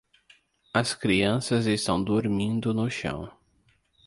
As crianças estão dormindo no chão.